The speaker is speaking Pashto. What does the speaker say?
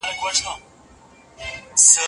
ناحقه مال خوړل منع سوي دي.